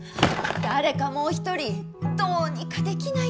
誰かもう一人どうにかできないんですか？